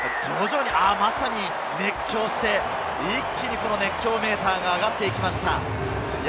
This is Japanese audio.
まさに熱狂して、一気に熱狂メーターが上がっていきました。